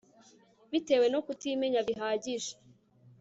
bitewe no kutimenya bihagije